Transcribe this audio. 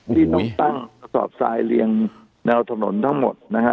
ที่ต้องตั้งกระสอบทรายเรียงแนวถนนทั้งหมดนะฮะ